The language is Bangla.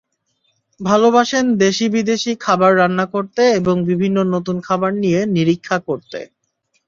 ভালোবাসেন দেশি-বিদেশি খাবার রান্না করতে এবং বিভিন্ন নতুন খাবার নিয়ে নিরীক্ষা করতে।